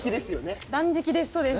断食です